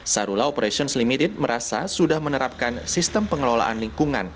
sarula operations limited merasa sudah menerapkan sistem pengelolaan lingkungan